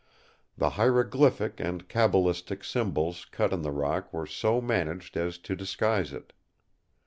The hieroglyphic and cabalistic symbols cut in the rock were so managed as to disguise it.